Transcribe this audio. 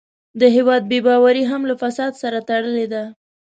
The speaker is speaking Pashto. د هېواد بې باوري هم له فساد سره تړلې ده.